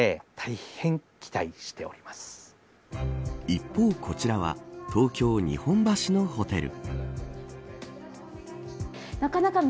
一方、こちらは東京、日本橋のホテル。